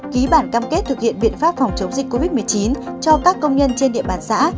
ký bản cam kết thực hiện biện pháp phòng chống dịch covid một mươi chín cho các công nhân trên địa bàn xã